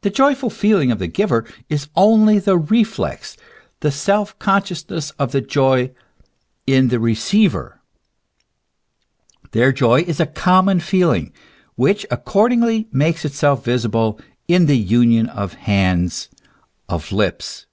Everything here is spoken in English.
The joyful feeling of the giver is only the reflex, the self consciousness of the joy in the receiver. Their joy is a common feeling, which accord ingly makes itself visible in the union of hands, of lips.